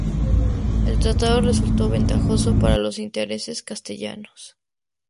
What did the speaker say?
El tratado resultó ventajoso para los intereses castellanos.